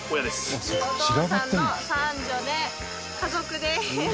お父さんの三女で家族です！